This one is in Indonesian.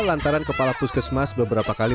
lantaran kepala puskesmas beberapa kali